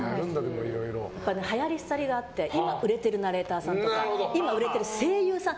流行り廃りがあって今売れているナレーターさんとか今売れてる声優さん。